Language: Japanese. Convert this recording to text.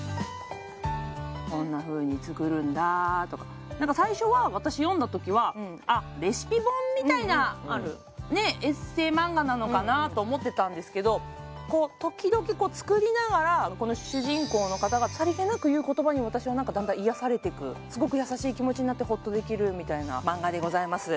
こんなふうに作るんだとか何か最初は私読んだ時はなのかなと思ってたんですけどこう時々作りながらこの主人公の方がさりげなく言う言葉に私はだんだん癒やされていくすごく優しい気持ちになってほっとできるみたいな漫画でございます